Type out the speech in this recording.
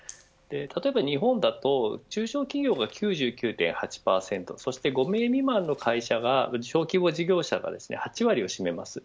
例えば日本だと中小企業が９９．８％５名未満の会社、小規模事業者が８割を占めます。